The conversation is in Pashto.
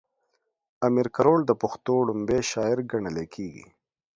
امير کروړ د پښتو ړومبی شاعر ګڼلی کيږي